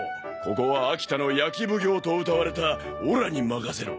ここは秋田の焼き奉行とうたわれたオラに任せろ。